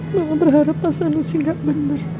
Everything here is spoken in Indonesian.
mama berharap asal lu sih gak bener